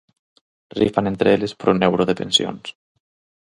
Rifan entre eles por un euro de pensións.